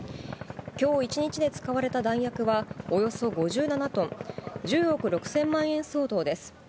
きょう１日で使われた弾薬は、およそ５７トン、１０億６０００万円相当です。